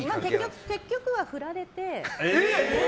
結局は振られて。